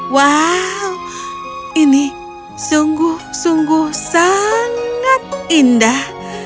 wow ini sungguh sungguh sangat indah